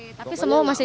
oke tapi semua masih